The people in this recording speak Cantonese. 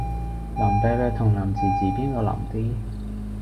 腍啤啤同腍滋滋邊個腍啲？